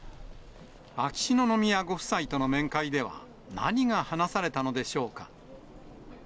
秋篠宮ご夫妻との面会では、何が話されたのでしょうか。